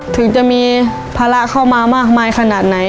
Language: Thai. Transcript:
ถึงจะมีภาระเข้ามามากมายขนาดไหน